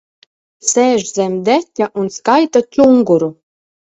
Sēž zem deķa un skaita čunguru.